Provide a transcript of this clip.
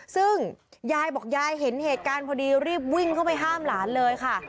ซึ่งยายบอกยายเห็นเหตุการณ์พอดีรีบวิ่งเข้าไปห้ามหลานเลยค่ะ